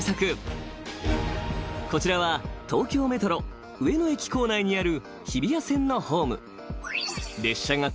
［こちらは東京メトロ上野駅構内にある日比谷線のホーム］